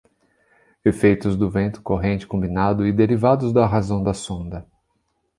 Efeitos do vento, corrente, combinado e derivados da razão da sonda.